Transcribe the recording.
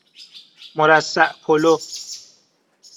مرصع پلو